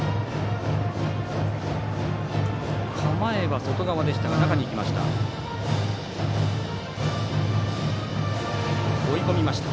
構えは外側でしたが中に行きました。